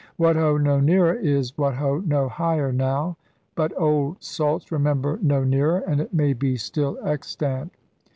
What ho! no nearer! is What ho! no higher now. But old salts remember no nearer! and it may be still ex tant.